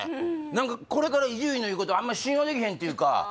何かこれから伊集院のいうことあんま信用できへんっていうか